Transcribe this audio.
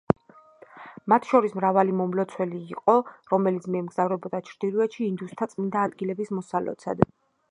მათ შორის მრავალი მომლოცველი იყო, რომელიც მიემგზავრებოდა ჩრდილოეთში ინდუსთა წმინდა ადგილების მოსალოცად.